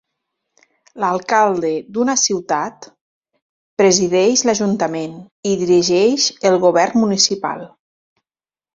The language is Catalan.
L'alcalde d'una ciutat presideix l'Ajuntament i dirigeix el Govern Municipal.